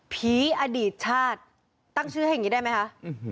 ผีอดีตชาติตั้งชื่อแบบนี้ได้ไหมครับ